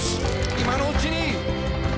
今のうちに」